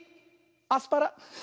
アスパラ。